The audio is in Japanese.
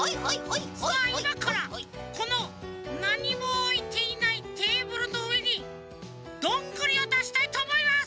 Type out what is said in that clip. さあいまからこのなにもおいていないテーブルのうえにどんぐりをだしたいとおもいます！